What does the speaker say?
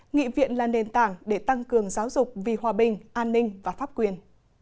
nghị viện là nền tảng để tăng cường giáo dục vì hòa bình an ninh và pháp quyền